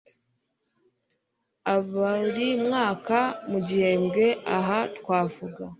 a Buri mwaka mu gihembwe aha twavuga